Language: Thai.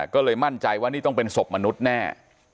ก็เลยมั่นใจว่านี่ต้องเป็นศพมนุษย์แน่